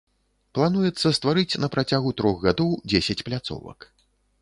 Плануецца стварыць на працягу трох гадоў дзесяць пляцовак.